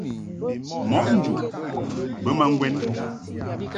Mɔʼ njuʼ bə ma ŋgwɛn.